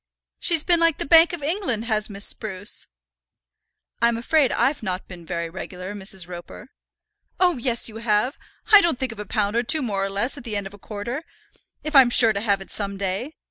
She's been like the Bank of England, has Miss Spruce." "I'm afraid I've not been very regular, Mrs. Roper." "Oh, yes, you have. I don't think of a pound or two more or less at the end of a quarter, if I'm sure to have it some day.